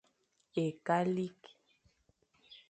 Ekalik.